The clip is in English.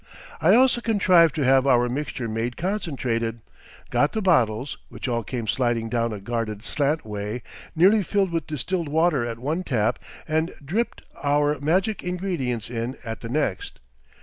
I also contrived to have our mixture made concentrated, got the bottles, which all came sliding down a guarded slant way, nearly filled with distilled water at one tap, and dripped our magic ingredients in at the next.